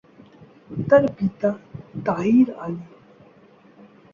তার পিতা তাহির আলী।